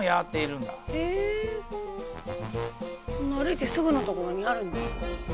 そんな歩いてすぐのところにあるんだ。